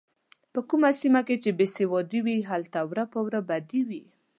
په کومه سیمه کې چې بې سوادي وي هلته وره په وره بدي وي.